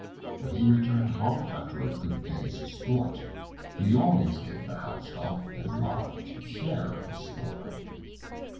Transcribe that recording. When he returned home after a good day's sport, he always gave the Housedog a large share of his spoil.